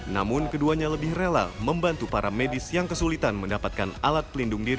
namun keduanya lebih rela membantu para medis yang kesulitan mendapatkan alat pelindung diri